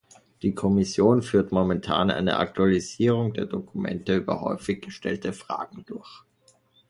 Die Kommission führt momentan eine Aktualisierung der Dokumente über häufig gestellte Fragen durch.